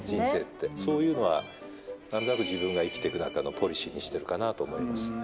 そういうのは、なんとなく自分が生きていく中のポリシーにしてるかなと思います。